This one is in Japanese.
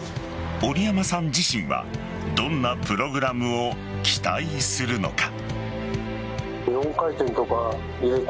折山さん自身はどんなプログラムを期待するのか。